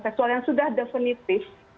seksual yang sudah definitif